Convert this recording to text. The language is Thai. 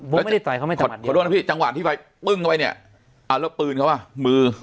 ผมไม่ได้ต่อยเขาไม่ต่อหมัดเดียวขอโทษนะพี่จังหวัดที่ไฟปึ้งเขาไว้เนี้ยอ่าแล้วปืนเขาว่ามือ